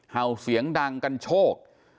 เห่าเสียงดังกันโชค